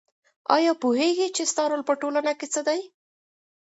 آیا پوهېږې چې ستا رول په ټولنه کې څه دی؟